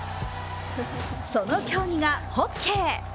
その競技がホッケー。